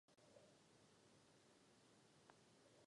V masivu leží dvě horské chaty a jedna restaurace.